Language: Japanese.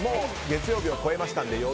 月曜日を超えましたので。